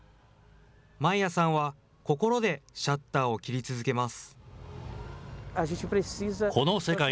マイアさんは心でシャッターを切り続けます。